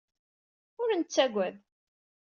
Ur nettagad.